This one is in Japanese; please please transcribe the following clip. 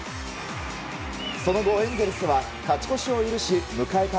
その後、エンゼルスは勝ち越しを許し迎えた